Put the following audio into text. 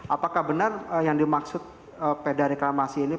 apakah benar yang dimaksud perda reklamasi ini